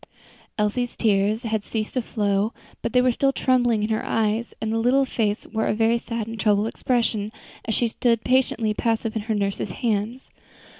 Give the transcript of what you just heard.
Elsie's tears had ceased to flow, but they were still trembling in her eyes, and the little face wore a very sad and troubled expression as she stood patiently passive in her nurse's hands.